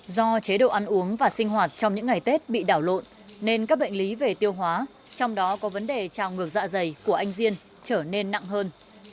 do chế độ ăn uống và sinh hoạt trong những ngày tết bị đảo lộn nên các bệnh lý về tiêu hóa trong đó có vấn đề trào ngược dạ dày của anh diên trở nên nặng hơn